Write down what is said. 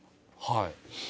はい。